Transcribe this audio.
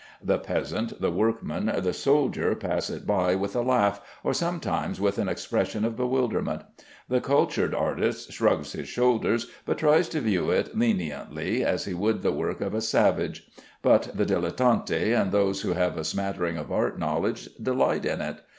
The peasant, the workman, the soldier pass it by with a laugh, or sometimes with an expression of bewilderment. The cultured artist shrugs his shoulders, but tries to view it leniently, as he would the work of a savage; but the dilettanti and those who have a smattering of art knowledge delight in it.